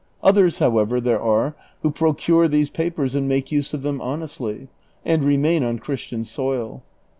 Others, however, there are who procure these papers and make use of them honestly, and remain on Christian soil.